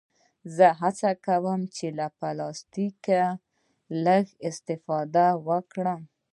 زه هڅه کوم چې له پلاستيکه لږ استفاده وکړم.